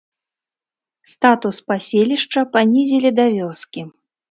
Статус паселішча панізілі да вёскі.